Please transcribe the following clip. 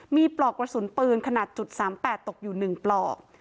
มีปลอกกระสุนปืนขนาด๓๘ตกอยู่๑ปลอก